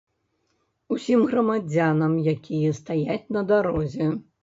Усім грамадзянам, якія стаяць на дарозе.